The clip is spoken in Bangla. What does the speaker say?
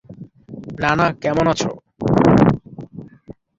নানা, কেমন আছো?